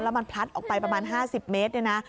แล้วมันพลัดออกไปประมาณ๕๐เมตร